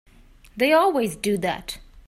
They always do that.